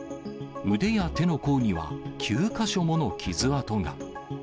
腕や手の甲には、９か所もの傷痕が。